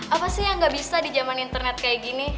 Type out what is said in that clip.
apa sih yang gak bisa di zaman internet kayak gini